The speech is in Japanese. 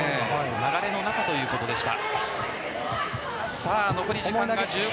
流れの中ということでした。